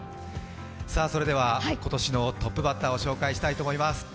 それでは今年のトップバッターを紹介したいと思います。